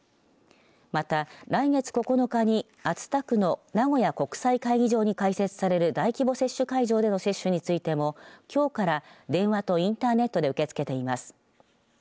また来月９日に、熱田区の名古屋国際会議場に開設される大規模接種会場での接種についてもきょうから電話とインターネットで受け付けています。